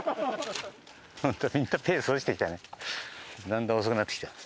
だんだん遅くなってきた。